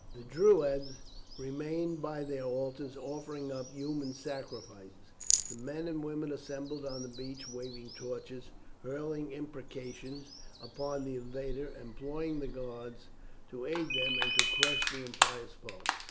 The Druids remained by their altars offering up human sacrifices, the men and women assembled on the beach waving torches, hurling imprecations upon the invaders, and imploring the gods to aid them and to crush the impious foe.